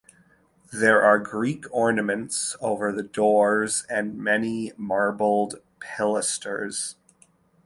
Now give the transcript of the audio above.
There are Greek ornaments over the doors and many marbled pilasters.